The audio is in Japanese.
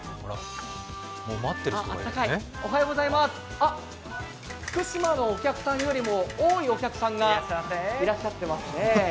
あっ、福島のお客さんより多いお客さんがいらっしゃってますね。